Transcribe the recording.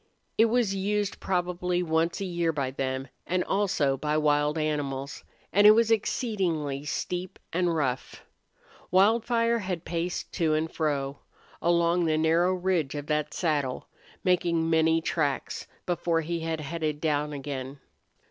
It was used probably once a year by them; and also by wild animals, and it was exceedingly steep and rough. Wildfire had paced to and fro along the narrow ridge of that saddle, making many tracks, before he had headed down again.